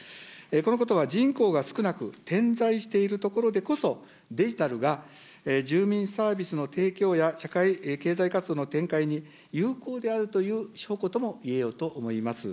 このことは人口が少なく、点在している所でこそ、デジタルが住民サービスの提供や社会経済活動の展開に有効であるという証拠ともいえようと思います。